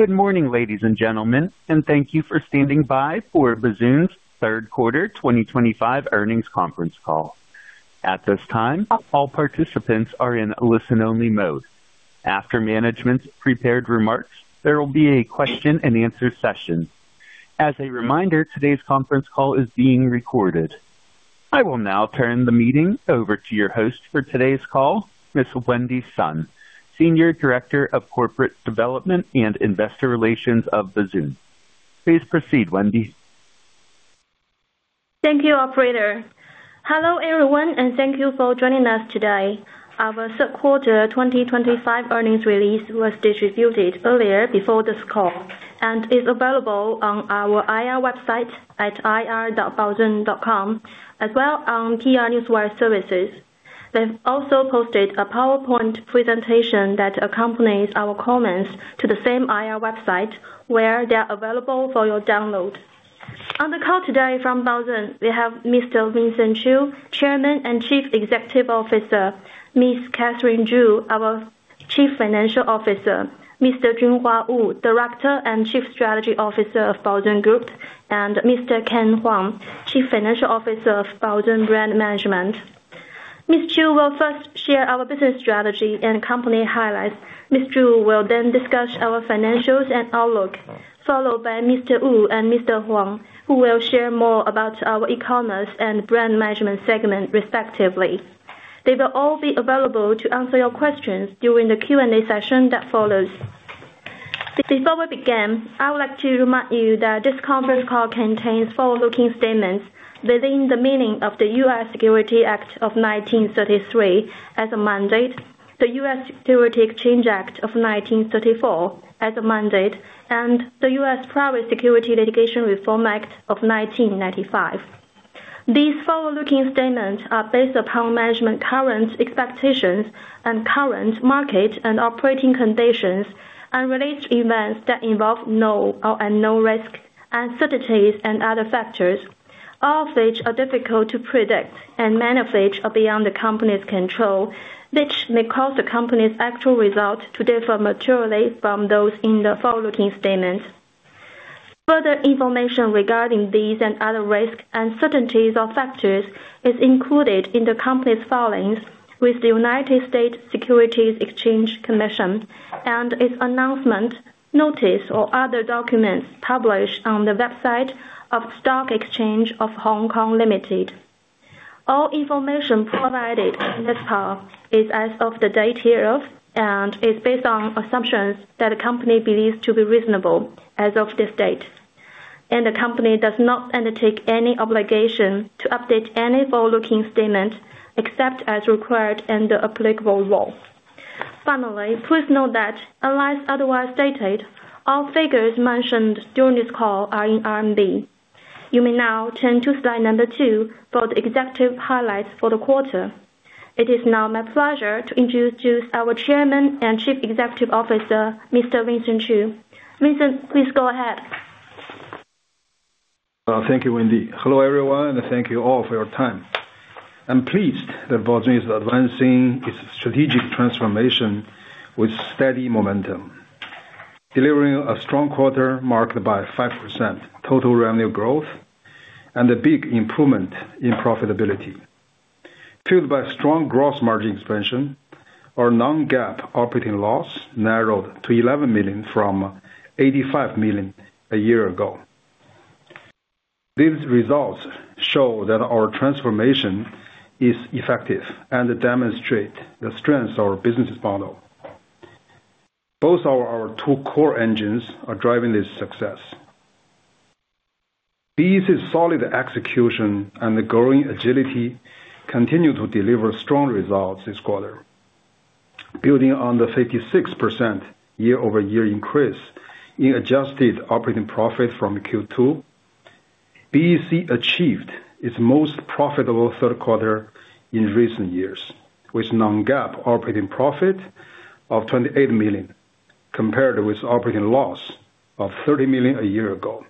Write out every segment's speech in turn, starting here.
Good morning, ladies and gentlemen, and thank you for standing by for Baozun's third quarter 2025 earnings conference call. At this time, all participants are in listen-only mode. After management's prepared remarks, there will be a question-and-answer session. As a reminder, today's conference call is being recorded. I will now turn the meeting over to your host for today's call, Ms. Wendy Sun, Senior Director of Corporate Development and Investor Relations of Baozun. Please proceed, Wendy. Thank you, Operator. Hello everyone, and thank you for joining us today. Our third quarter 2025 earnings release was distributed earlier before this call and is available on our IR website at ir.baozun.com, as well as on PR Newswire Services. They have also posted a PowerPoint presentation that accompanies our comments to the same IR website, where they are available for your download. On the call today from Baozun, we have Mr. Vincent Qiu, Chairman and Chief Executive Officer; Ms. Catherine Zhu, our Chief Financial Officer; Mr. Junhua Wu, Director and Chief Strategy Officer of Baozun Group; and Mr. Ken Huang, Chief Financial Officer of Baozun Brand Management. Mr. Qiu will first share our business strategy and company highlights. Ms. Zhu will then discuss our financials and outlook, followed by Mr. Wu and Mr. Huang, who will share more about our e-commerce and brand management segment, respectively. They will all be available to answer your questions during the Q&A session that follows. Before we begin, I would like to remind you that this conference call contains forward-looking statements within the meaning of the U.S. Securities Act of 1933 as amended, the U.S. Securities Exchange Act of 1934 as amended, and the U.S. Private Securities Litigation Reform Act of 1995. These forward-looking statements are based upon management's current expectations and current market and operating conditions and related events that involve known or unknown risks, uncertainties, and other factors, all of which are difficult to predict and many of which are beyond the company's control, which may cause the company's actual results to differ materially from those i Further information regarding these and other risks, uncertainties, or factors is included in the company's filings with the United States Securities and Exchange Commission and its announcement, notice, or other documents published on the website of Stock Exchange of Hong Kong. All information provided in this call is as of the date hereof and is based on assumptions that the company believes to be reasonable as of this date, and the company does not undertake any obligation to update any forward-looking statement except as required in the applicable law. Finally, please note that, unless otherwise stated, all figures mentioned during this call are in RMB. You may now turn to slide number two for the executive highlights for the quarter. It is now my pleasure to introduce our Chairman and Chief Executive Officer, Mr. Vincent Wenbin Qiu. Vincent, please go ahead. Thank you, Wendy. Hello everyone, and thank you all for your time. I'm pleased that Baozun is advancing its strategic transformation with steady momentum, delivering a strong quarter marked by 5% total revenue growth and a big improvement in profitability, fueled by strong gross margin expansion. Our non-GAAP operating loss narrowed to 11 million from 85 million a year ago. These results show that our transformation is effective and demonstrate the strength of our business model. Both our two core engines are driving this success. These solid executions and the growing agility continue to deliver strong results this quarter. Building on the 56% year-over-year increase in adjusted operating profit from Q2, BEC achieved its most profitable third quarter in recent years with non-GAAP operating profit of 28 million compared with operating loss of 30 million a year ago.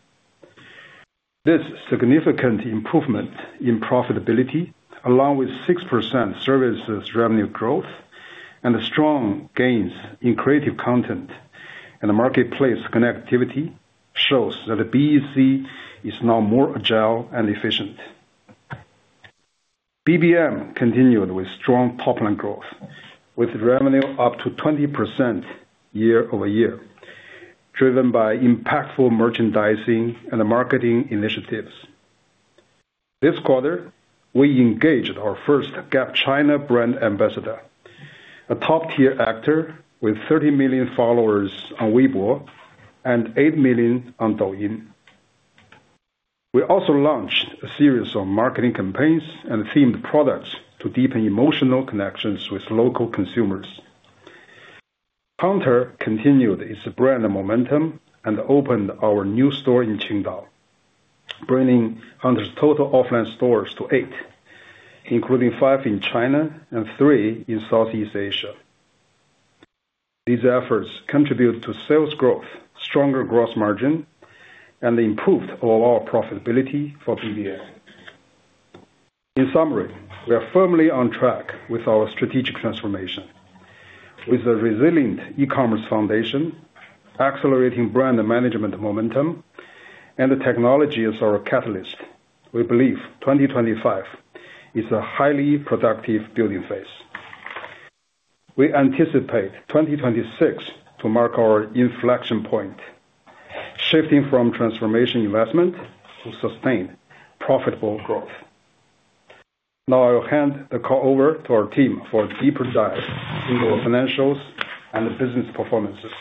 This significant improvement in profitability, along with 6% services revenue growth and strong gains in creative content and marketplace connectivity, shows that BEC is now more agile and efficient. BBM continued with strong top-line growth, with revenue up to 20% year-over-year, driven by impactful merchandising and marketing initiatives. This quarter, we engaged our first GAP China brand ambassador, a top-tier actor with 30 million followers on Weibo and eight million on Douyin. We also launched a series of marketing campaigns and themed products to deepen emotional connections with local consumers. Hunter continued its brand momentum and opened our new store in Qingdao, bringing Hunter's total offline stores to eight, including five in China and three in Southeast Asia. These efforts contribute to sales growth, stronger gross margin, and improved overall profitability for BBM. In summary, we are firmly on track with our strategic transformation. With a resilient e-commerce foundation, accelerating brand management momentum, and the technology as our catalyst, we believe 2025 is a highly productive building phase. We anticipate 2026 to mark our inflection point, shifting from transformation investment to sustained profitable growth. Now, I'll hand the call over to our team for a deeper dive into our financials and business performances.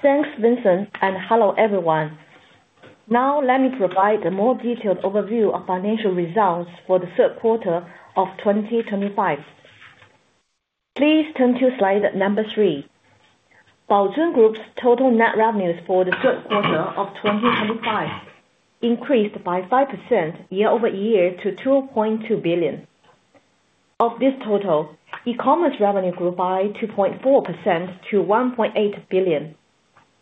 Thanks, Vincent, and hello everyone. Now, let me provide a more detailed overview of financial results for the third quarter of 2025. Please turn to slide number three. Baozun Group's total net revenues for the third quarter of 2025 increased by 5% year-over-year to 2.2 billion. Of this total, e-commerce revenue grew by 2.4% to 1.8 billion,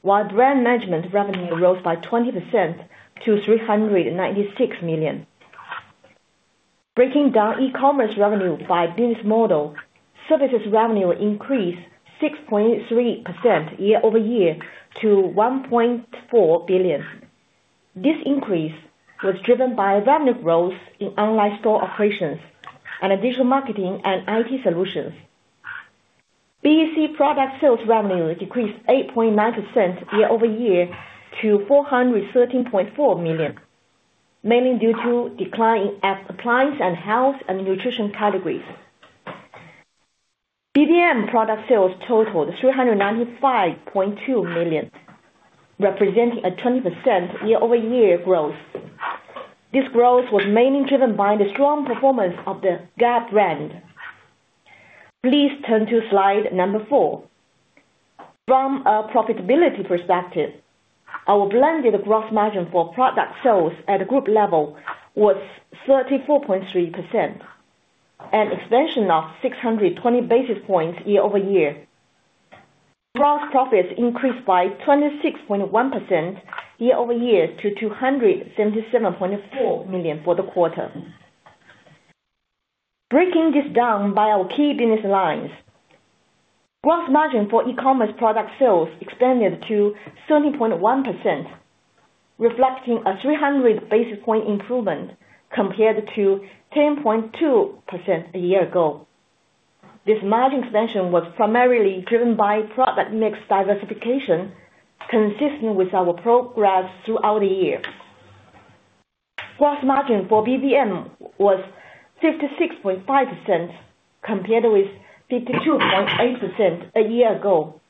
while brand management revenue rose by 20% to 396 million. Breaking down e-commerce revenue by business model, services revenue increased 6.3% year-over-year to 1.4 billion. This increase was driven by revenue growth in online store operations and additional marketing and IT solutions. BEC product sales revenue decreased 8.9% year-over-year to 413.4 million, mainly due to a decline in appliance and health and nutrition categories. BBM product sales totaled 395.2 million, representing a 20% year-over-year growth. This growth was mainly driven by the strong performance of the GAP brand. Please turn to slide number four. From a profitability perspective, our blended gross margin for product sales at the group level was 34.3%, an expansion of 620 bps year-over-year. Gross profits increased by 26.1% year-over-year to 277.4 million for the quarter. Breaking this down by our key business lines, gross margin for e-commerce product sales expanded to 17.1%, reflecting a 300 bps improvement compared to 10.2% a year ago. This margin expansion was primarily driven by product mix diversification, consistent with our progress throughout the year. Gross margin for BBM was 56.5% compared with 52.8% a year ago,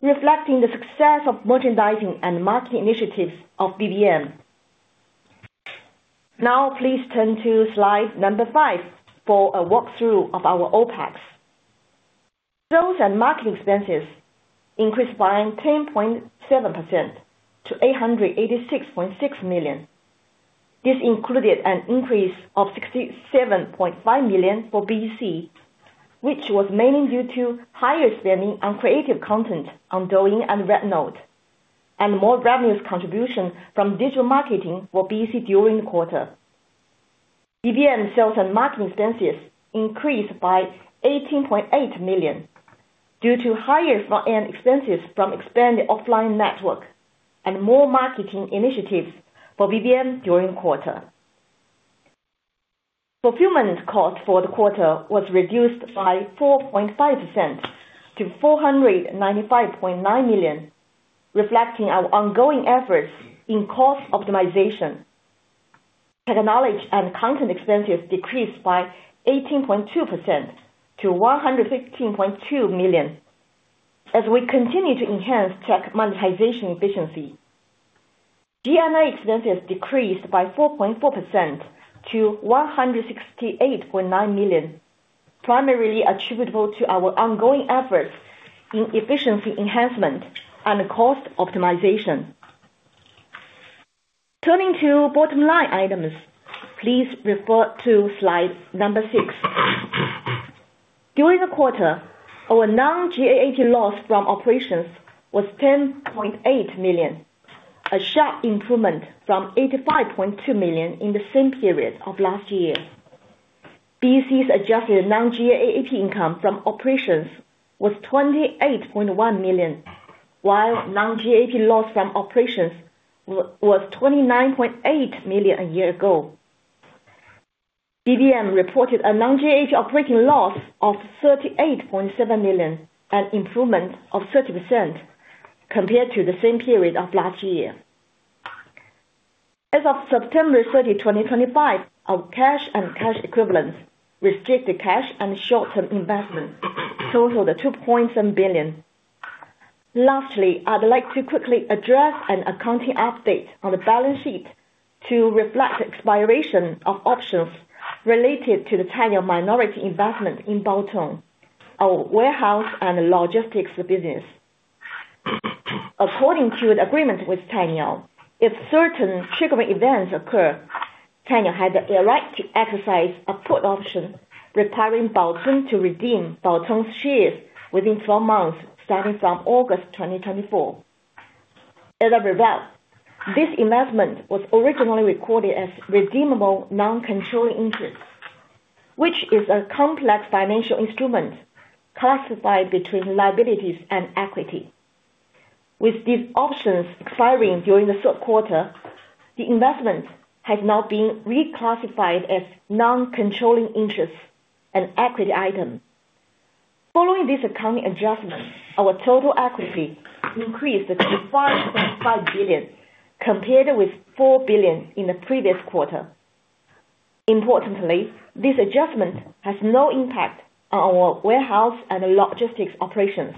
reflecting the success of merchandising and marketing initiatives of BBM. Now, please turn to slide number five for a walkthrough of our OpEx. Sales and marketing expenses increased by 10.7% to 886.6 million. This included an increase of 67.5 million for BEC, which was mainly due to higher spending on creative content on Douyin and Xiaohongshu, and more revenue contribution from digital marketing for BEC during the quarter. BBM sales and marketing expenses increased by 18.8 million due to higher front-end expenses from expanded offline network and more marketing initiatives for BBM during the quarter. Fulfillment cost for the quarter was reduced by 4.5% to 495.9 million, reflecting our ongoing efforts in cost optimization. Technology and content expenses decreased by 18.2% to 115.2 million as we continue to enhance tech monetization efficiency. G&I expenses decreased by 4.4% to 168.9 million, primarily attributable to our ongoing efforts in efficiency enhancement and cost optimization. Turning to bottom-line items, please refer to slide number six. During the quarter, our non-GAAP loss from operations was 10.8 million, a sharp improvement from 85.2 million in the same period of last year. BEC's adjusted non-GAAP income from operations was 28.1 million, while non-GAAP loss from operations was 29.8 million a year ago. BBM reported a non-GAAP operating loss of 38.7 million, an improvement of 30% compared to the same period of last year. As of September 30, 2025, our cash and cash equivalents, restricted cash and short-term investments, totaled 2.7 billion. Lastly, I'd like to quickly address an accounting update on the balance sheet to reflect the expiration of options related to the Tianyao minority investment in Baozun, our warehouse and logistics business. According to the agreement with Tianyao, if certain triggering events occur, Tianyao had the right to exercise a put option, requiring Baozun to redeem Baozun's shares within 12 months starting from August 2024. As I revealed, this investment was originally recorded as redeemable non-controlling interest, which is a complex financial instrument classified between liabilities and equity. With these options expiring during the third quarter, the investment has now been reclassified as non-controlling interest and equity item. Following this accounting adjustment, our total equity increased to 5.5 billion compared with 4 billion in the previous quarter. Importantly, this adjustment has no impact on our warehouse and logistics operations.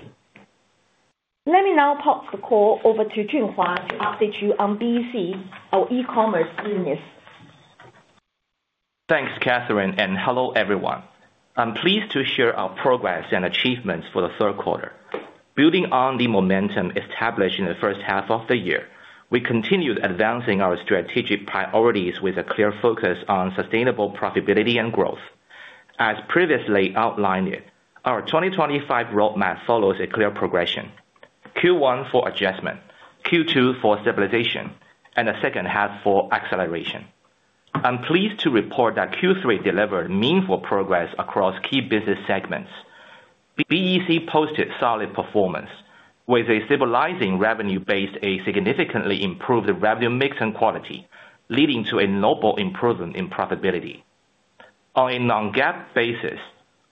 Let me now pass the call over to Junhua to update you on BEC, our e-commerce business. Thanks, Catherine, and hello everyone. I'm pleased to share our progress and achievements for the third quarter. Building on the momentum established in the first half of the year, we continued advancing our strategic priorities with a clear focus on sustainable profitability and growth. As previously outlined, our 2025 roadmap follows a clear progression: Q1 for adjustment, Q2 for stabilization, and the second half for acceleration. I'm pleased to report that Q3 delivered meaningful progress across key business segments. BEC posted solid performance, with a stabilizing revenue based on a significantly improved revenue mix and quality, leading to a notable improvement in profitability. On a non-GAAP basis,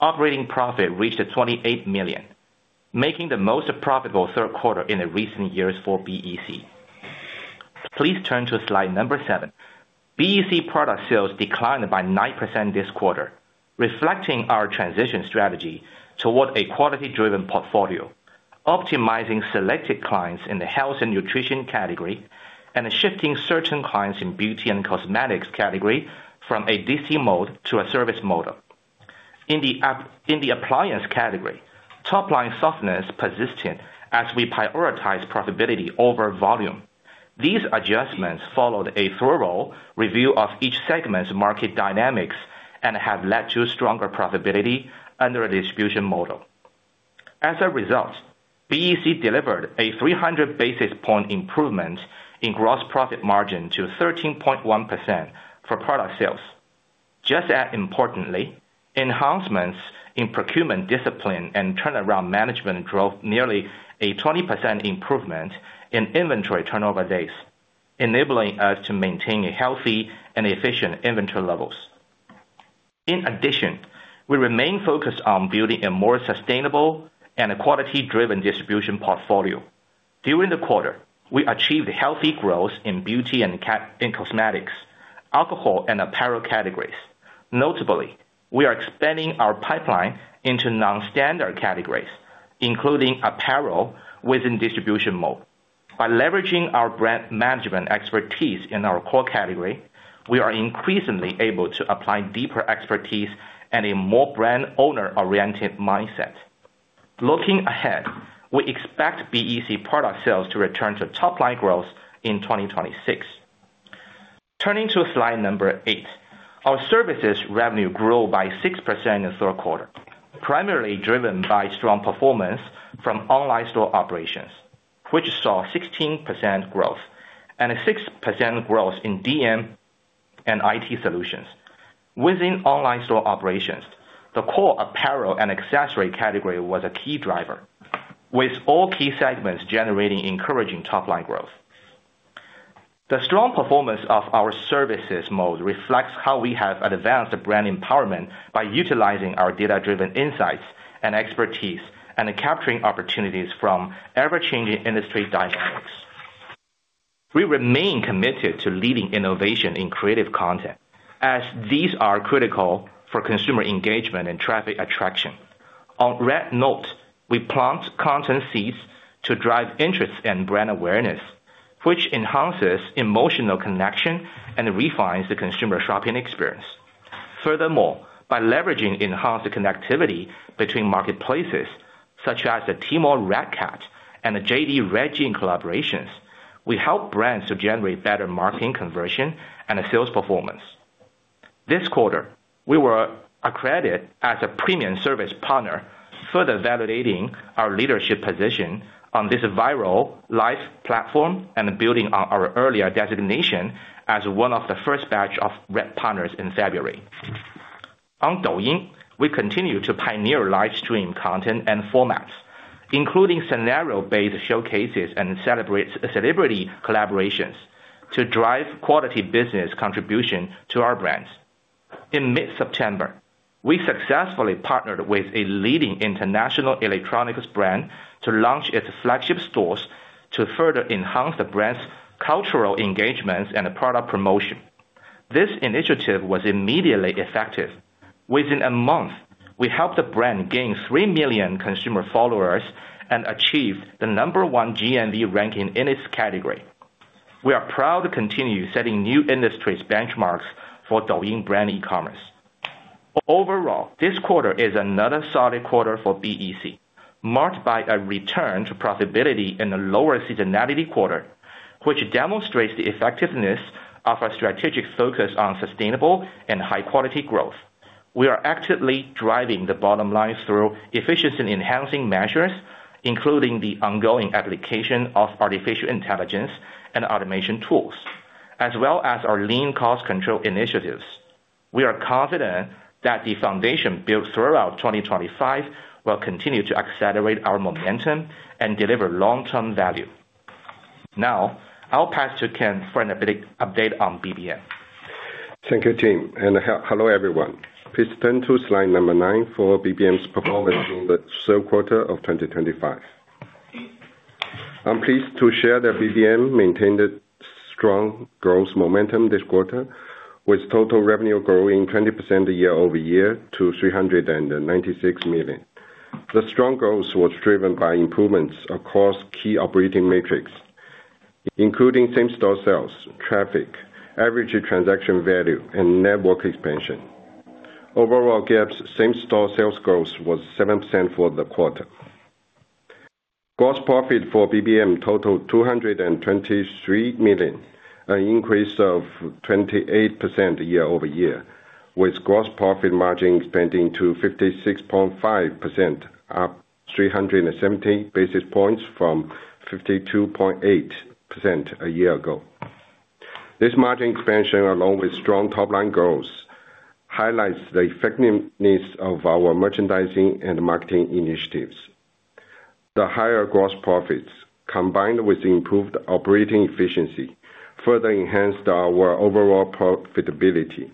operating profit reached 28 million, making the most profitable third quarter in the recent years for BEC. Please turn to slide number seven. BEC product sales declined by 9% this quarter, reflecting our transition strategy toward a quality-driven portfolio, optimizing selected clients in the health and nutrition category and shifting certain clients in beauty and cosmetics category from a distribution model to a service mode. In the appliance category, top-line softness persisted as we prioritized profitability over volume. These adjustments followed a thorough review of each segment's market dynamics and have led to stronger profitability under a distribution model. As a result, BEC delivered a 300 bps improvement in gross profit margin to 13.1% for product sales. Just as importantly, enhancements in procurement discipline and turnaround management drove nearly a 20% improvement in inventory turnover days, enabling us to maintain healthy and efficient inventory levels. In addition, we remain focused on building a more sustainable and quality-driven distribution portfolio. During the quarter, we achieved healthy growth in beauty and cosmetics, alcohol, and apparel categories. Notably, we are expanding our pipeline into non-standard categories, including apparel within distribution mode. By leveraging our brand management expertise in our core category, we are increasingly able to apply deeper expertise and a more brand-owner-oriented mindset. Looking ahead, we expect BEC product sales to return to top-line growth in 2026. Turning to slide number eight, our services revenue grew by 6% in the third quarter, primarily driven by strong performance from online store operations, which saw 16% growth and 6% growth in DM and IT solutions. Within online store operations, the core apparel and accessory category was a key driver, with all key segments generating encouraging top-line growth. The strong performance of our services mode reflects how we have advanced brand empowerment by utilizing our data-driven insights and expertise and capturing opportunities from ever-changing industry dynamics. We remain committed to leading innovation in creative content, as these are critical for consumer engagement and traffic attraction. On Xiaohongshu, we plant content seeds to drive interest and brand awareness, which enhances emotional connection and refines the consumer shopping experience. Furthermore, by leveraging enhanced connectivity between marketplaces such as the Tmall Hongbang and the JD Hongji collaborations, we help brands to generate better marketing conversion and sales performance. This quarter, we were accredited as a premium service partner, further validating our leadership position on this viral live platform and building on our earlier designation as one of the first batch of red partners in February. On Douyin, we continue to pioneer live stream content and formats, including scenario-based showcases and celebrity collaborations to drive quality business contribution to our brands. In mid-September, we successfully partnered with a leading international electronics brand to launch its flagship stores to further enhance the brand's cultural engagements and product promotion. This initiative was immediately effective. Within a month, we helped the brand gain three million consumer followers and achieved the number one GMV ranking in its category. We are proud to continue setting new industry benchmarks for Douyin brand e-commerce. Overall, this quarter is another solid quarter for BEC, marked by a return to profitability in the lower seasonality quarter, which demonstrates the effectiveness of our strategic focus on sustainable and high-quality growth. We are actively driving the bottom line through efficiency-enhancing measures, including the ongoing application of artificial intelligence and automation tools, as well as our lean cost control initiatives. We are confident that the foundation built throughout 2025 will continue to accelerate our momentum and deliver long-term value. Now, I'll pass to Ken for an update on BBM. Thank you, team. Hello everyone. Please turn to slide number nine for BBM's performance in the third quarter of 2025. I'm pleased to share that BBM maintained strong growth momentum this quarter, with total revenue growing 20% year-over-year to 396 million. The strong growth was driven by improvements across key operating metrics, including same-store sales, traffic, average transaction value, and network expansion. Overall, GAP's same-store sales growth was 7% for the quarter. Gross profit for BBM totaled 223 million, an increase of 28% year-over-year, with gross profit margin expanding to 56.5%, up 370 bps from 52.8% a year ago. This margin expansion, along with strong top-line growth, highlights the effectiveness of our merchandising and marketing initiatives. The higher gross profits, combined with improved operating efficiency, further enhanced our overall profitability.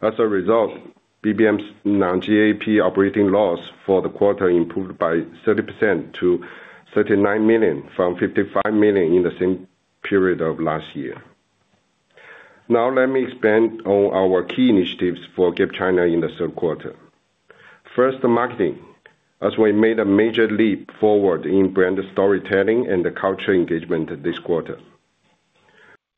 As a result, BBM's non-GAAP operating loss for the quarter improved by 30% to 39 million from 55 million in the same period of last year. Now, let me expand on our key initiatives for GAP China in the third quarter. First, marketing, as we made a major leap forward in brand storytelling and culture engagement this quarter.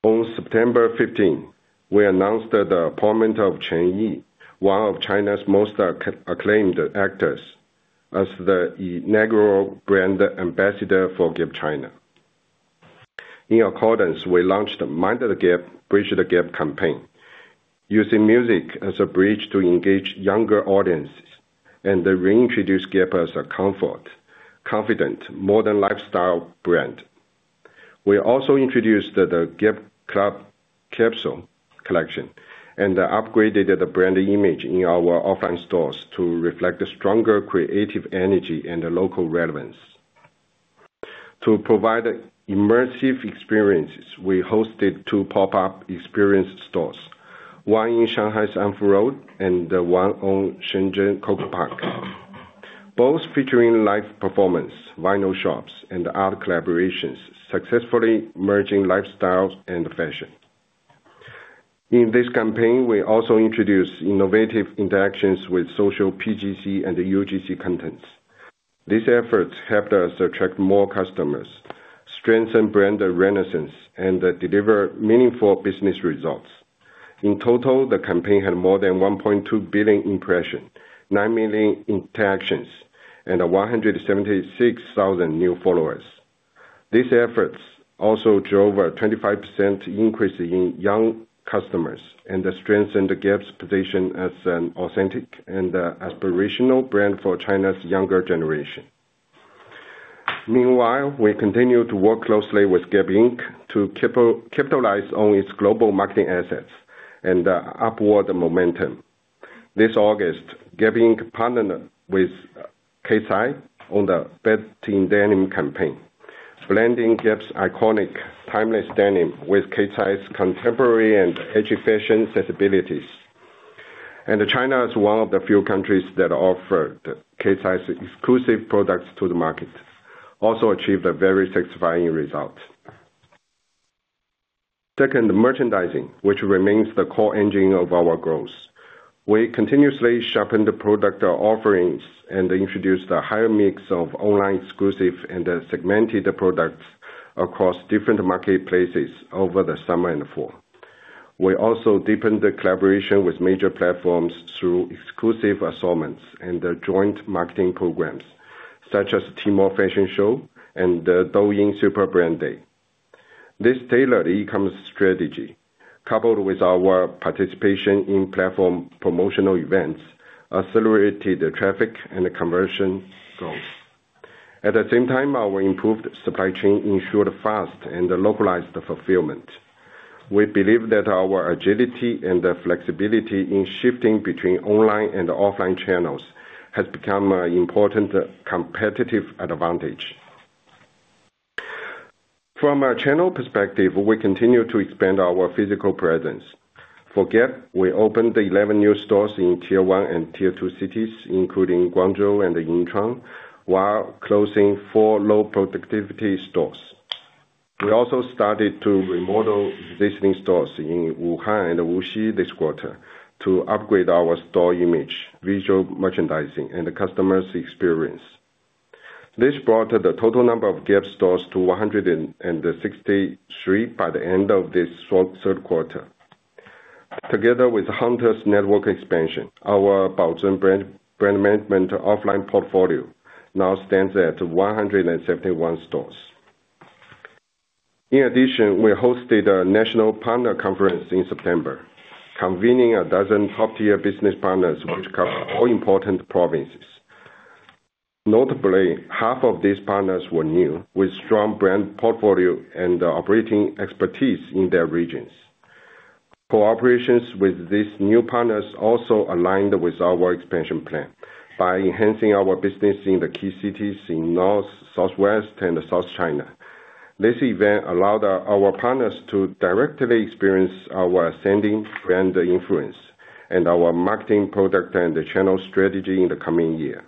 On September 15th, we announced the appointment of Chen Yi, one of China's most acclaimed actors, as the inaugural brand ambassador for GAP China. In accordance, we launched a "Mind the GAP" Bridge the GAP campaign, using music as a bridge to engage younger audiences and reintroduce GAP as a comfort, confident, modern lifestyle brand. We also introduced the GAP Club capsule collection and upgraded the brand image in our offline stores to reflect stronger creative energy and local relevance. To provide immersive experiences, we hosted two pop-up experience stores, one in Shanghai's Anfu Road and one on Shenzhen Coco Park, both featuring live performance, vinyl shops, and art collaborations, successfully merging lifestyle and fashion. In this campaign, we also introduced innovative interactions with social PGC and UGC contents. These efforts helped us attract more customers, strengthen brand renaissance, and deliver meaningful business results. In total, the campaign had more than 1.2 billion impressions, nine million interactions, and 176,000 new followers. These efforts also drove a 25% increase in young customers and strengthened GAP's position as an authentic and aspirational brand for China's younger generation. Meanwhile, we continue to work closely with GAP Inc to capitalize on its global marketing assets and upward momentum. This August, GAP Inc partnered with CASI on the "Best in Denim" campaign, blending GAP's iconic timeless denim with CASI's contemporary and edgy fashion sensibilities. China is one of the few countries that offered CASI's exclusive products to the market, also achieved a very satisfying result. Second, merchandising, which remains the core engine of our growth. We continuously sharpened product offerings and introduced a higher mix of online exclusive and segmented products across different marketplaces over the summer and fall. We also deepened collaboration with major platforms through exclusive assortments and joint marketing programs, such as Tmall Fashion Show and Douyin Super Brand Day. This tailored e-commerce strategy, coupled with our participation in platform promotional events, accelerated traffic and conversion growth. At the same time, our improved supply chain ensured fast and localized fulfillment. We believe that our agility and flexibility in shifting between online and offline channels has become an important competitive advantage. From a channel perspective, we continue to expand our physical presence. For GAP, we opened 11 new stores in Tier 1 and Tier 2 cities, including Guangzhou and Yunchuan, while closing four low-productivity stores. We also started to remodel existing stores in Wuhan and Wuxi this quarter to upgrade our store image, visual merchandising, and customer experience. This brought the total number of GAP stores to 163 by the end of this third quarter. Together with Hunter's network expansion, our Baozun Brand Management offline portfolio now stands at 171 stores. In addition, we hosted a national partner conference in September, convening a dozen top-tier business partners which cover all important provinces. Notably, half of these partners were new, with strong brand portfolio and operating expertise in their regions. Cooperations with these new partners also aligned with our expansion plan by enhancing our business in the key cities in North, Southwest, and South China. This event allowed our partners to directly experience our ascending brand influence and our marketing product and channel strategy in the coming year.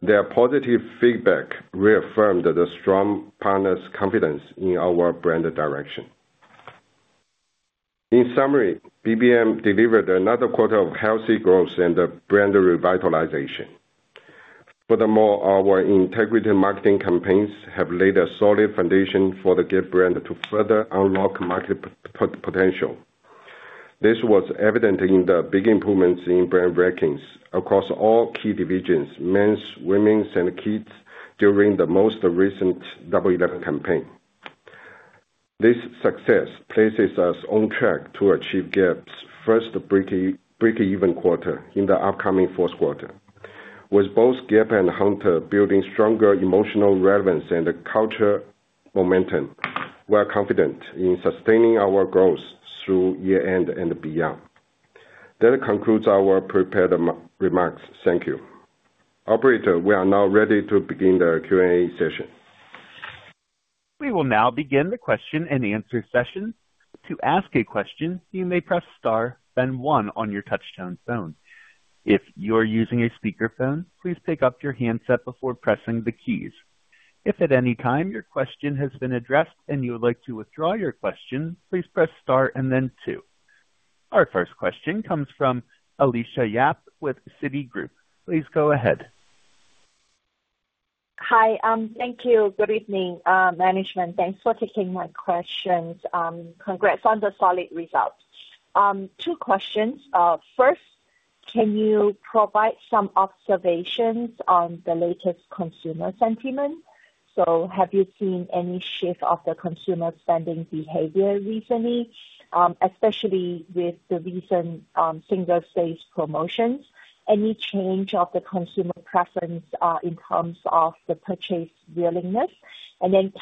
Their positive feedback reaffirmed the strong partners' confidence in our brand direction. In summary, BBM delivered another quarter of healthy growth and brand revitalization. Furthermore, our integrity marketing campaigns have laid a solid foundation for the GAP brand to further unlock market potential. This was evident in the big improvements in brand rankings across all key divisions, men's, women's, and kids during the most recent W11 campaign. This success places us on track to achieve GAP's first break-even quarter in the upcoming fourth quarter, with both GAP and Hunter building stronger emotional relevance and culture momentum, we are confident in sustaining our growth through year-end and beyond. That concludes our prepared remarks. Thank you. Operator, we are now ready to begin the Q&A session. We will now begin the question-and-answer session. To ask a question, you may press star, then one on your touch-tone phone. If you are using a speakerphone, please pick up your handset before pressing the keys. If at any time your question has been addressed and you would like to withdraw your question, please press star and then two. Our first question comes from Alicia Yap with Citigroup. Please go ahead. Hi. Thank you. Good evening, management. Thanks for taking my questions. Congrats on the solid results. Two questions. First, can you provide some observations on the latest consumer sentiment? Have you seen any shift of the consumer spending behavior recently, especially with the recent Singles' Day promotions? Any change of the consumer preference in terms of the purchase willingness?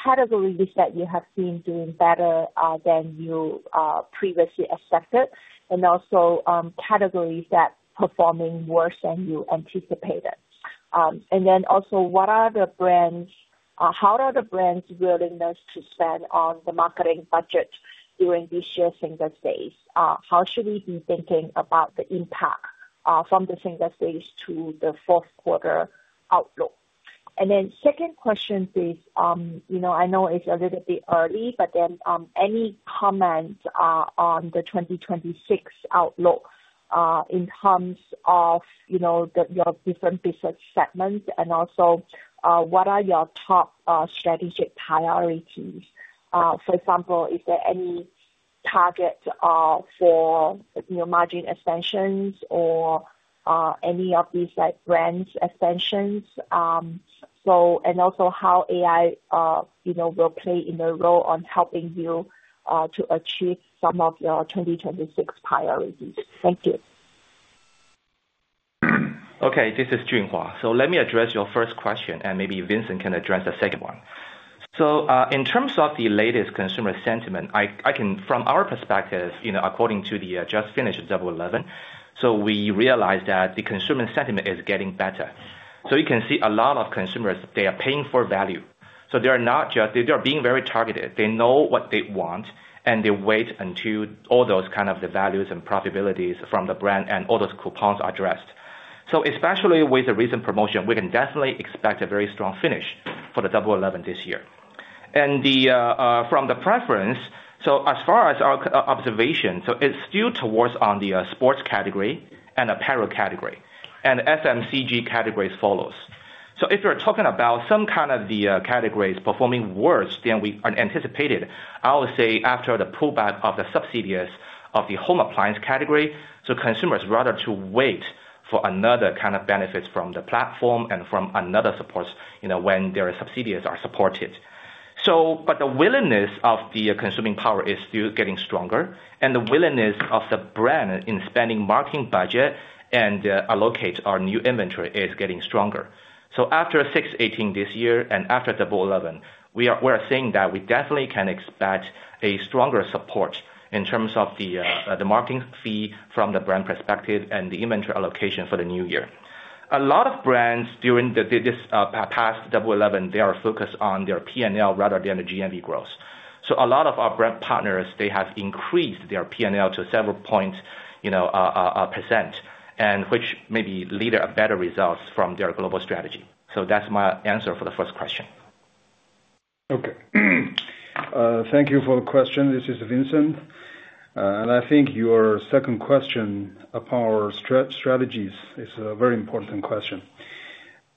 Categories that you have been doing better than you previously expected? Also, categories that are performing worse than you anticipated? Also, how are the brands' willingness to spend on the marketing budget during this year's single phase? How should we be thinking about the impact from the single phase to the fourth quarter outlook? Second question is, I know it's a little bit early, but any comments on the 2026 outlook in terms of your different business segments? What are your top strategic priorities? For example, is there any target for margin extensions or any of these brands' extensions? Also, how will AI play a role in helping you to achieve some of your 2026 priorities? Thank you. Okay. This is Junhua. Let me address your first question, and maybe Vincent can address the second one. In terms of the latest consumer sentiment, from our perspective, according to the just finished W11, we realized that the consumer sentiment is getting better. You can see a lot of consumers, they are paying for value. They are not just, they are being very targeted. They know what they want, and they wait until all those kind of values and profitabilities from the brand and all those coupons are addressed. Especially with the recent promotion, we can definitely expect a very strong finish for the W11 this year. From the preference, as far as our observation, it is still towards on the sports category and apparel category. FMCG categories follows. If you're talking about some kind of the categories performing worse than we anticipated, I would say after the pullback of the subsidies of the home appliance category, consumers rather wait for another kind of benefits from the platform and from another support when their subsidies are supported. The willingness of the consuming power is still getting stronger, and the willingness of the brand in spending marketing budget and allocate our new inventory is getting stronger. After 618 this year and after W11, we are saying that we definitely can expect a stronger support in terms of the marketing fee from the brand perspective and the inventory allocation for the new year. A lot of brands during this past W11, they are focused on their P&L rather than the GMV growth. A lot of our brand partners, they have increased their P&L to several points percent, which maybe lead to better results from their global strategy. That is my answer for the first question. Okay. Thank you for the question. This is Vincent. I think your second question upon our strategies is a very important question.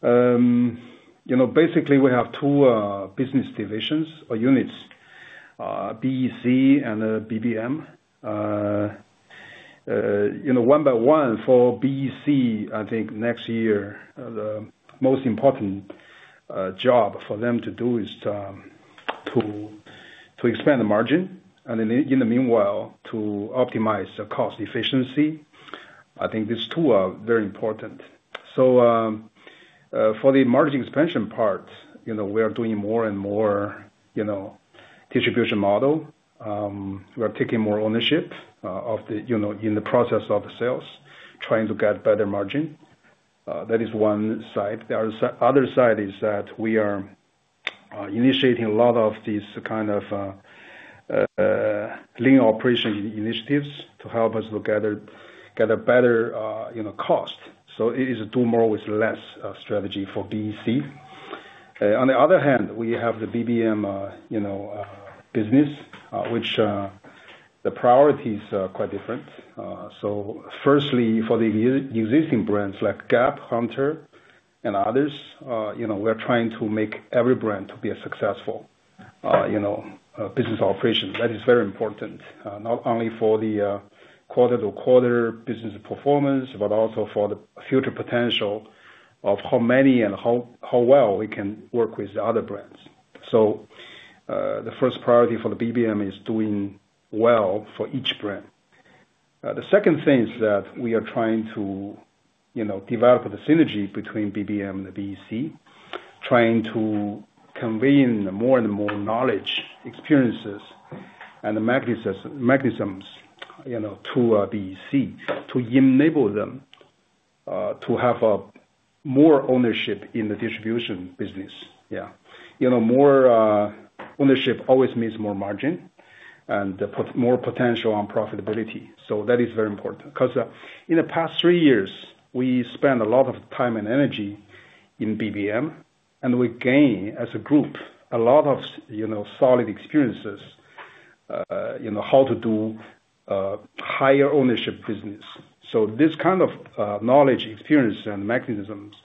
Basically, we have two business divisions or units, BEC and BBM. One by one, for BEC, I think next year, the most important job for them to do is to expand the margin. In the meanwhile, to optimize the cost efficiency. I think these two are very important. For the margin expansion part, we are doing more and more distribution model. We are taking more ownership in the process of sales, trying to get better margin. That is one side. The other side is that we are initiating a lot of these kind of linear operation initiatives to help us to get a better cost. It is do more with less strategy for BEC. On the other hand, we have the BBM business, which the priority is quite different. Firstly, for the existing brands like GAP, Hunter, and others, we are trying to make every brand to be a successful business operation. That is very important, not only for the quarter-to-quarter business performance, but also for the future potential of how many and how well we can work with other brands. The first priority for the BBM is doing well for each brand. The second thing is that we are trying to develop the synergy between BBM and BEC, trying to convey more and more knowledge, experiences, and mechanisms to BEC to enable them to have more ownership in the distribution business. More ownership always means more margin and more potential on profitability. That is very important. Because in the past three years, we spent a lot of time and energy in BBM, and we gained as a group a lot of solid experiences how to do higher ownership business. This kind of knowledge, experience, and mechanisms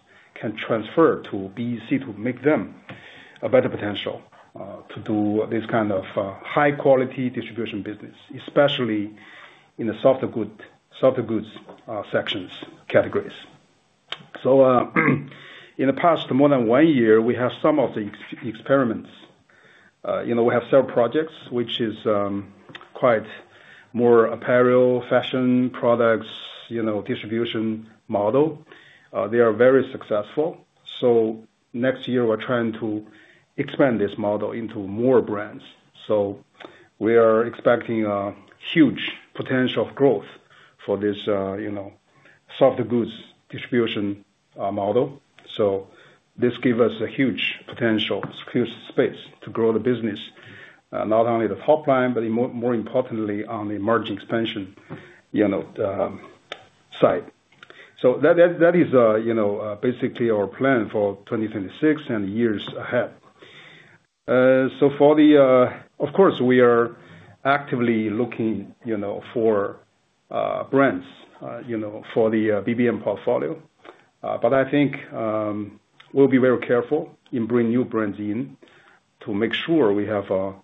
can transfer to BEC to make them a better potential to do this kind of high-quality distribution business, especially in the soft goods sections, categories. In the past more than one year, we have some of the experiments. We have several projects, which is quite more apparel, fashion products, distribution model. They are very successful. Next year, we're trying to expand this model into more brands. We are expecting a huge potential of growth for this soft goods distribution model. This gives us a huge potential, huge space to grow the business, not only the top line, but more importantly, on the margin expansion side. That is basically our plan for 2026 and years ahead. Of course, we are actively looking for brands for the BBM portfolio. I think we'll be very careful in bringing new brands in to make sure we have a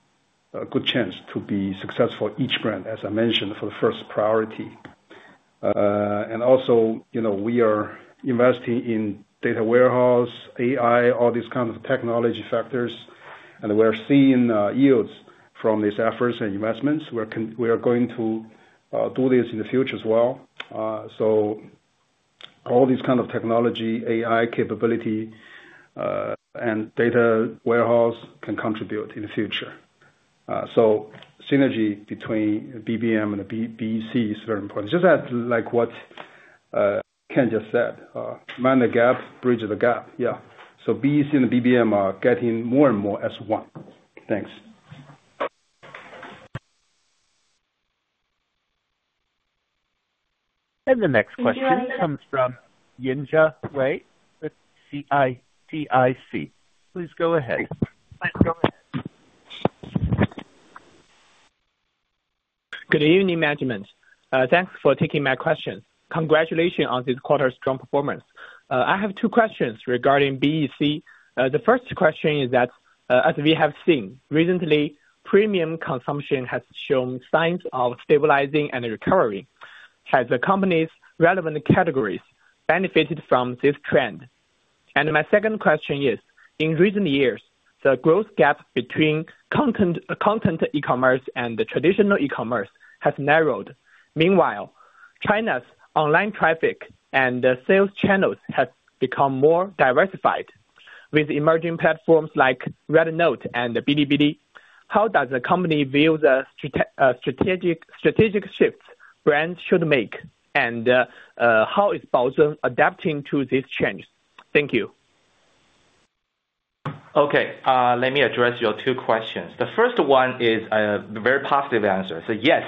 good chance to be successful with each brand, as I mentioned, for the first priority. Also, we are investing in data warehouse, AI, all these kinds of technology factors. We are seeing yields from these efforts and investments. We are going to do this in the future as well. All these kinds of technology, AI capability, and data warehouse can contribute in the future. Synergy between BBM and BEC is very important. Just as what Ken just said, man the gap, bridge the gap. Yeah. BEC and BBM are getting more and more as one. Thanks. The next question comes from Junjie Wei with CITIC. Please go ahead. Good evening, management. Thanks for taking my question. Congratulations on this quarter's strong performance. I have two questions regarding BEC. The first question is that, as we have seen recently, premium consumption has shown signs of stabilizing and recovering. Has the company's relevant categories benefited from this trend? My second question is, in recent years, the growth gap between content e-commerce and traditional e-commerce has narrowed. Meanwhile, China's online traffic and sales channels have become more diversified. With emerging platforms like Xiaohongshu and Bilibili, how does the company view the strategic shifts brands should make? How is Baozun adapting to these changes? Thank you. Okay. Let me address your two questions. The first one is a very positive answer. Yes.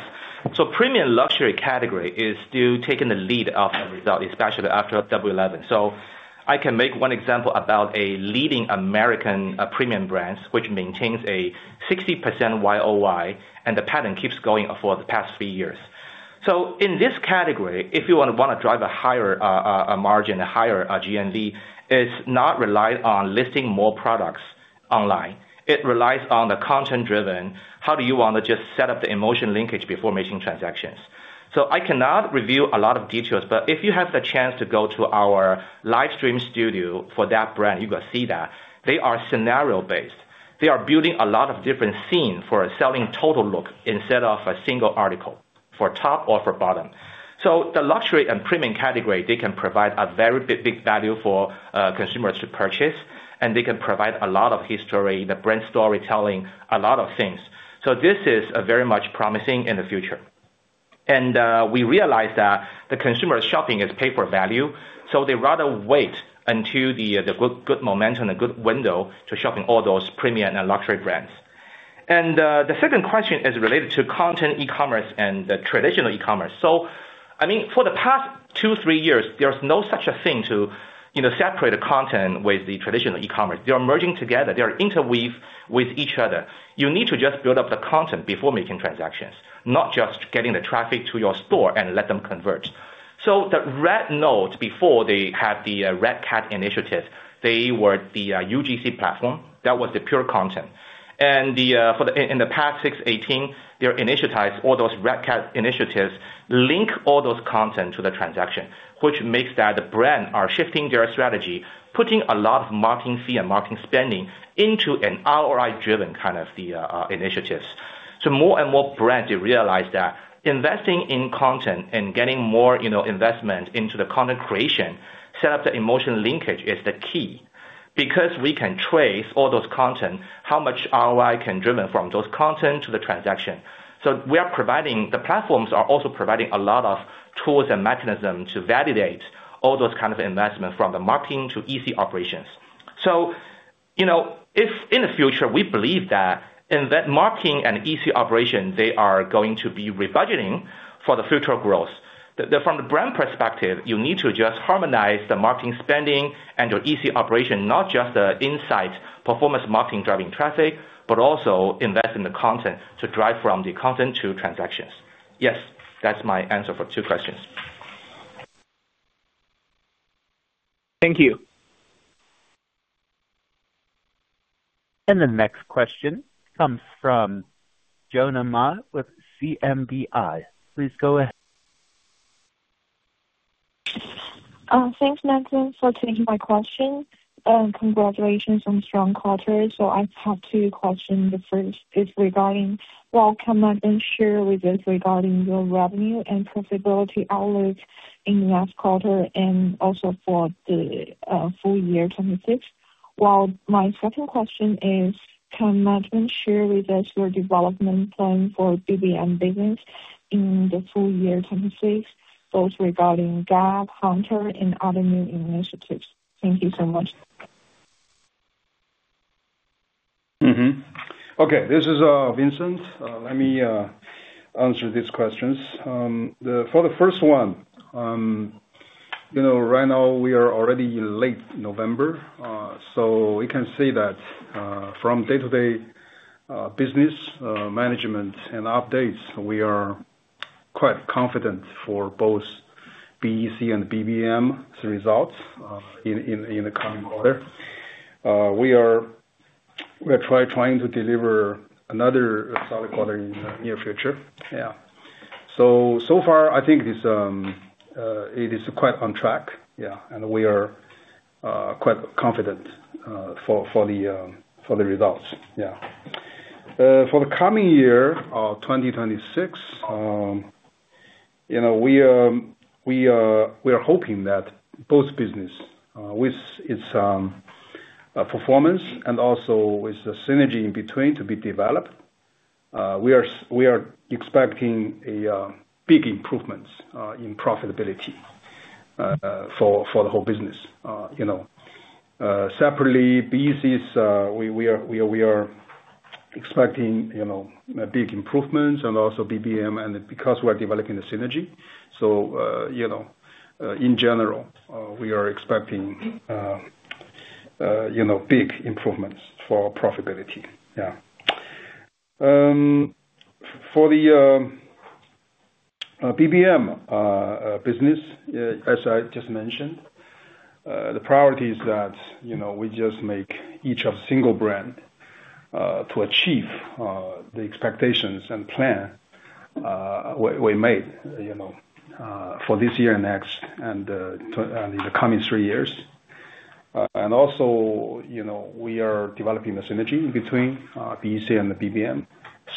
Premium luxury category is still taking the lead of the result, especially after W11. I can make one example about a leading American premium brand, which maintains a 60% YOY, and the pattern keeps going for the past three years. In this category, if you want to drive a higher margin, a higher GMV, it's not reliant on listing more products online. It relies on the content-driven. How do you want to just set up the emotion linkage before making transactions? I cannot reveal a lot of details, but if you have the chance to go to our live stream studio for that brand, you're going to see that they are scenario-based. They are building a lot of different scenes for selling total look instead of a single article for top or for bottom. The luxury and premium category can provide a very big value for consumers to purchase, and they can provide a lot of history, the brand storytelling, a lot of things. This is very much promising in the future. We realize that the consumer shopping is pay-for-value, so they rather wait until the good momentum, the good window to shopping all those premium and luxury brands. The second question is related to content e-commerce and the traditional e-commerce. I mean, for the past two, three years, there is no such a thing to separate the content with the traditional e-commerce. They are merging together. They are interweaved with each other. You need to just build up the content before making transactions, not just getting the traffic to your store and let them convert. The Xiaohongshu, before they had the Redcat initiative, they were the UGC platform. That was the pure content. In the past 618, they initialized all those Redcat initiatives, link all those content to the transaction, which makes that the brand are shifting their strategy, putting a lot of marketing fee and marketing spending into an ROI-driven kind of initiatives. More and more brands, they realize that investing in content and getting more investment into the content creation, set up the emotion linkage is the key. Because we can trace all those content, how much ROI can driven from those content to the transaction. We are providing, the platforms are also providing, a lot of tools and mechanisms to validate all those kinds of investment from the marketing to EC operations. If in the future, we believe that in that marketing and EC operation, they are going to be rebudgeting for the future growth, from the brand perspective, you need to just harmonize the marketing spending and your EC operation, not just the inside performance marketing driving traffic, but also invest in the content to drive from the content to transactions. Yes, that's my answer for two questions. Thank you. The next question comes from Jonah Mae with CMBI. Please go ahead. Thanks, Vincent, for taking my question. Congratulations on strong quarter. I have two questions. The first is regarding, can management share with us regarding your revenue and profitability outlook in the next quarter and also for the full year 2026? My second question is, can management share with us your development plan for BBM business in the full year 2026, both regarding GAP, Hunter, and other new initiatives? Thank you so much. Okay. This is Vincent. Let me answer these questions. For the first one, right now, we are already in late November. We can see that from day-to-day business management and updates, we are quite confident for both BEC and BBM's results in the coming quarter. We are trying to deliver another solid quarter in the near future. Yeah. So far, I think it is quite on track. Yeah. We are quite confident for the results. Yeah. For the coming year of 2026, we are hoping that both business, with its performance and also with the synergy in between to be developed, we are expecting big improvements in profitability for the whole business. Separately, BEC, we are expecting big improvements and also BBM, and because we are developing the synergy. In general, we are expecting big improvements for profitability. Yeah. For the BBM business, as I just mentioned, the priority is that we just make each of the single brand to achieve the expectations and plan we made for this year and next and in the coming three years. We are developing the synergy between BEC and the BBM.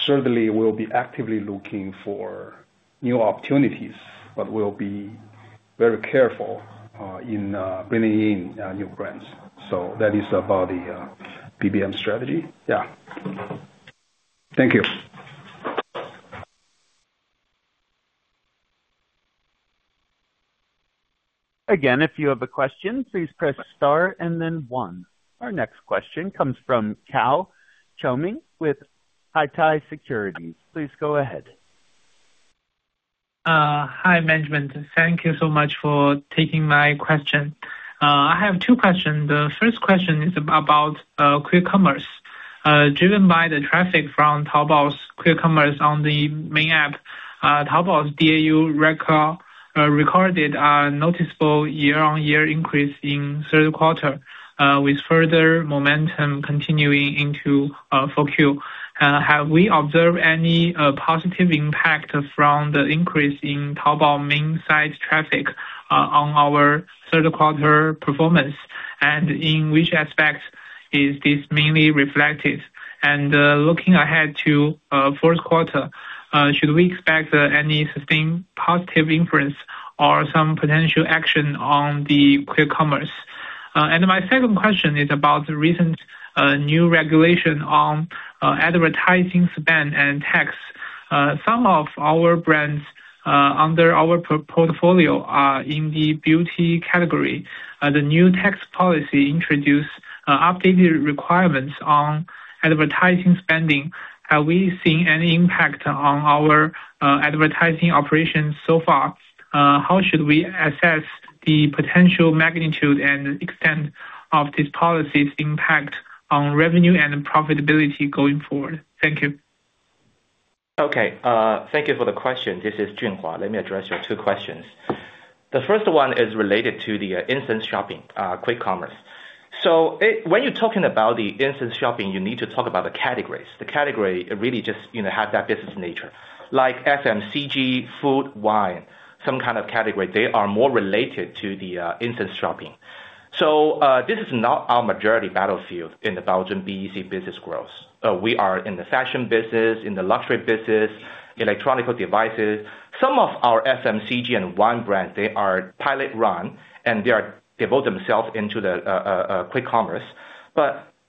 Certainly, we'll be actively looking for new opportunities, but we'll be very careful in bringing in new brands. That is about the BBM strategy. Yeah. Thank you. Again, if you have a question, please press star and then one. Our next question comes from Cao Shunli with Huatai Securities. Please go ahead. Hi, management. Thank you so much for taking my question. I have two questions. The first question is about Quick Commerce. Driven by the traffic from Taobao's Quick Commerce on the main app, Taobao's DAU recorded a noticeable year-on-year increase in third quarter, with further momentum continuing into focus. Have we observed any positive impact from the increase in Taobao main site traffic on our third quarter performance? In which aspect is this mainly reflected? Looking ahead to fourth quarter, should we expect any sustained positive inference or some potential action on the Quick Commerce? My second question is about the recent new regulation on advertising spend and tax. Some of our brands under our portfolio are in the beauty category. The new tax policy introduced updated requirements on advertising spending. Have we seen any impact on our advertising operations so far? How should we assess the potential magnitude and extent of these policies' impact on revenue and profitability going forward? Thank you. Okay. Thank you for the question. This is Junhua. Let me address your two questions. The first one is related to the instant shopping, Quick Commerce. When you're talking about the instant shopping, you need to talk about the categories. The category really just has that business nature. Like FMCG, food, wine, some kind of category, they are more related to the instant shopping. This is not our majority battlefield in the Baozun BEC business growth. We are in the fashion business, in the luxury business, electronical devices. Some of our FMCG and wine brands, they are pilot-run, and they bought themselves into the Quick Commerce.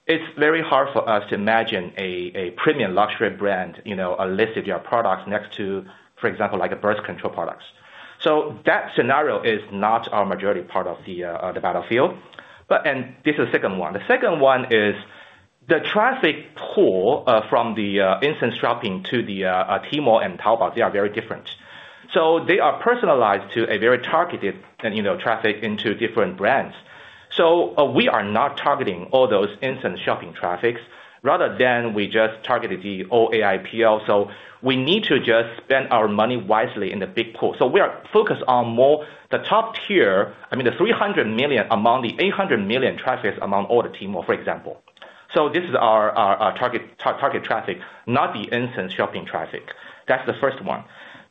It's very hard for us to imagine a premium luxury brand listing their products next to, for example, birth control products. That scenario is not our majority part of the battlefield. This is the second one. The second one is the traffic pool from the instant shopping to the Tmall and Taobao, they are very different. They are personalized to a very targeted traffic into different brands. We are not targeting all those instant shopping traffics, rather than we just targeted the old AIPL. We need to just spend our money wisely in the big pool. We are focused on more the top tier, I mean, the 300 million among the 800 million traffics among all the Tmall, for example. This is our target traffic, not the instant shopping traffic. That is the first one.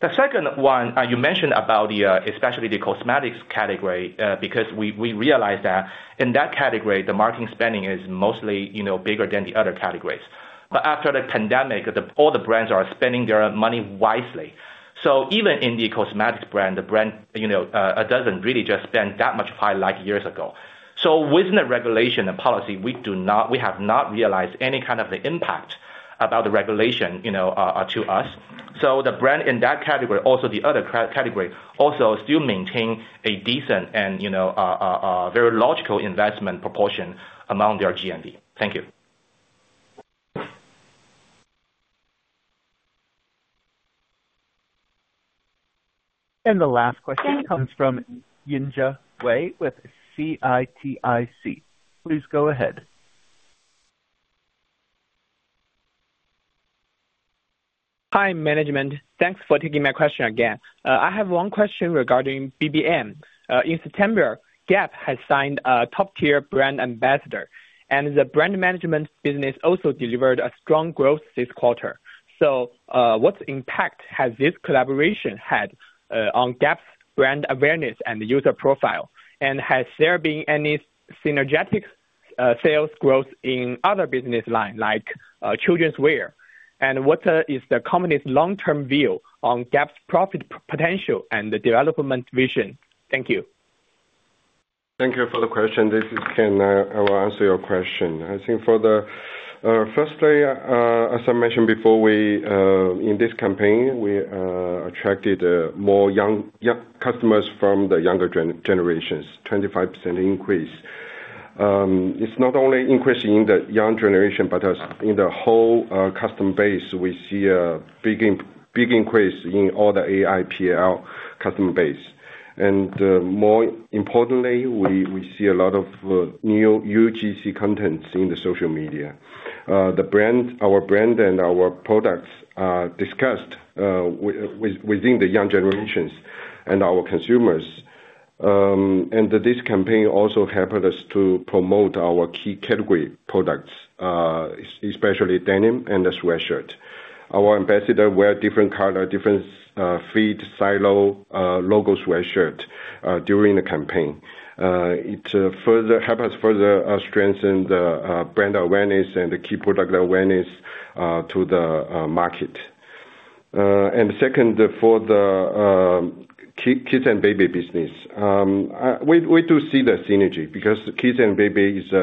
The second one, you mentioned about especially the cosmetics category because we realize that in that category, the marketing spending is mostly bigger than the other categories. After the pandemic, all the brands are spending their money wisely. Even in the cosmetics brand, the brand does not really just spend that much high like years ago. Within the regulation and policy, we have not realized any kind of the impact about the regulation to us. The brand in that category, also the other category, also still maintain a decent and very logical investment proportion among their GMV. Thank you. The last question comes from Junjie Wei with CITIC. Please go ahead. Hi, management. Thanks for taking my question again. I have one question regarding BBM. In September, GAP has signed a top-tier brand ambassador, and the brand management business also delivered a strong growth this quarter. What impact has this collaboration had on GAP's brand awareness and user profile? Has there been any synergetic sales growth in other business lines like children's wear? What is the company's long-term view on GAP's profit potential and the development vision? Thank you. Thank you for the question. This is Ken. I will answer your question. I think for the firstly, as I mentioned before, in this campaign, we attracted more young customers from the younger generations, 25% increase. It's not only increasing in the young generation, but in the whole customer base, we see a big increase in all the AIPL customer base. More importantly, we see a lot of new UGC contents in the social media. Our brand and our products are discussed within the young generations and our consumers. This campaign also helped us to promote our key category products, especially denim and the sweatshirt. Our ambassador wear different color, different fit, silo, logo sweatshirt during the campaign. It helps us further strengthen the brand awareness and the key product awareness to the market. Second, for the kids and baby business, we do see the synergy because kids and baby is a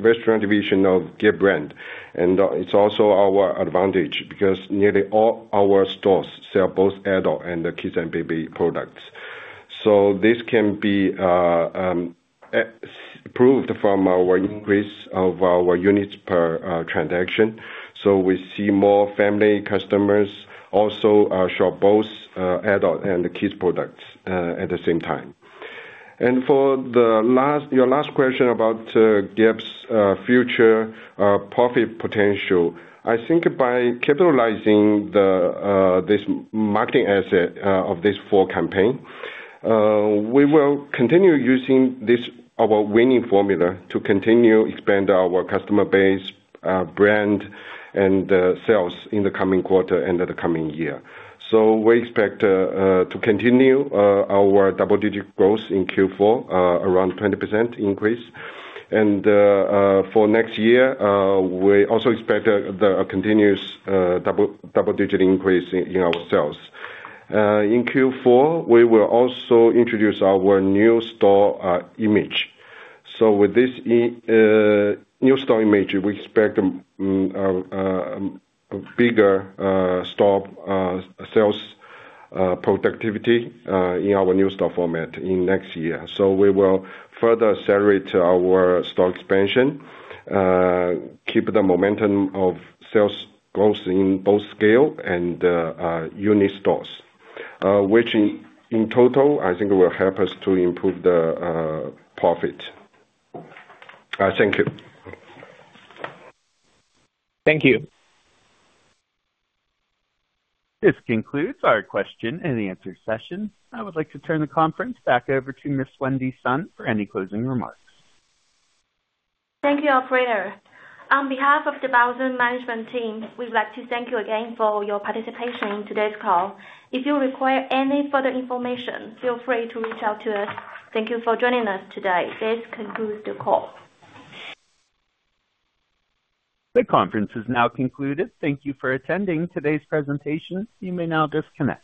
very strong division of GAP brand. It is also our advantage because nearly all our stores sell both adult and the kids and baby products. This can be proved from our increase of our units per transaction. We see more family customers also show both adult and kids products at the same time. For your last question about GAP's future profit potential, I think by capitalizing this marketing asset of this four campaign, we will continue using our winning formula to continue expanding our customer base, brand, and sales in the coming quarter and the coming year. We expect to continue our double-digit growth in Q4, around 20% increase. For next year, we also expect a continuous double-digit increase in our sales. In Q4, we will also introduce our new store image. With this new store image, we expect a bigger store sales productivity in our new store format in next year. We will further accelerate our store expansion, keep the momentum of sales growth in both scale and unit stores, which in total, I think will help us to improve the profit. Thank you. Thank you. This concludes our question and answer session. I would like to turn the conference back over to Ms. Wendy Sun for any closing remarks. Thank you, Operator. On behalf of the Baozun management team, we'd like to thank you again for your participation in today's call. If you require any further information, feel free to reach out to us. Thank you for joining us today. This concludes the call. The conference is now concluded. Thank you for attending today's presentation. You may now disconnect.